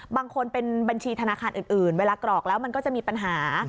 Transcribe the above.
บางคนเป็นบัญชีธนาคารอื่นเวลากรอกแล้วมันก็จะมีปัญหา